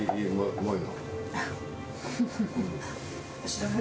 うまいな。